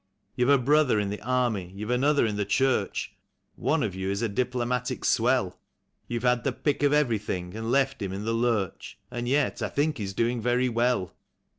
You've a brother in the army, you've another in the Church ; One of you is a diplomatic swell; You've had the pick of everything and left him in the lurch ; And yet I think he's doing very well.